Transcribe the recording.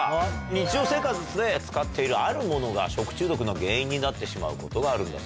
日常生活で使っているあるものが食中毒の原因になってしまうことがあるんだそうです。